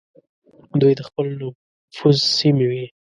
دوی د خپل نفوذ سیمې وې.